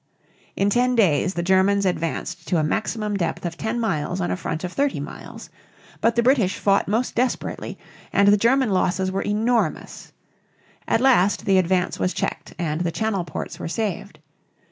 In ten days the Germans advanced to a maximum depth of ten miles on a front of thirty miles. But the British fought most desperately and the German losses were enormous. At last the advance was checked and the Channel ports were saved.